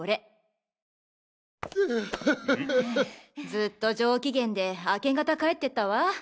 ずっと上機嫌で明け方帰ってったわ。